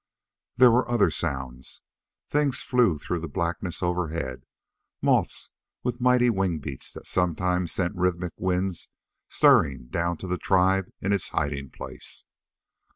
There was other sounds. Things flew through the blackness overhead moths with mighty wing beats that sometimes sent rhythmic wind stirrings down to the tribe in its hiding place.